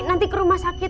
nanti ke rumah sakit